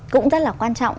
cũng rất là quan trọng